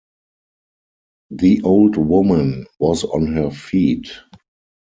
The old woman was on her feet.